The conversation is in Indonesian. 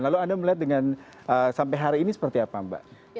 lalu anda melihat dengan sampai hari ini seperti apa mbak